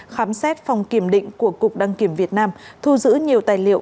khám xét phòng kiểm định của cục đăng kiểm việt nam thu giữ nhiều tài liệu